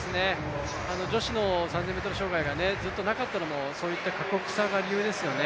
女子の３０００ｍ障害がずっとなかったのも、そういった過酷さが理由ですよね。